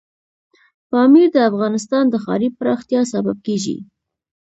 پامیر د افغانستان د ښاري پراختیا سبب کېږي.